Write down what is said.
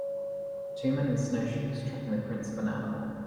Two men in snowshoes tracking the prints of an animal.